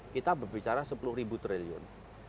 kita berbicara sepuluh triliun